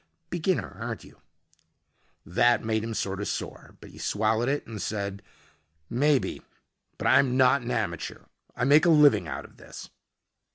"Beginner, aren't you?" That made him sort of sore. But he swallowed it and said, "Maybe, but I'm not an amateur. I make a living out of this."